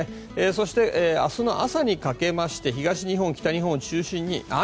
そして明日の朝にかけまして東日本、北日本を中心に雨。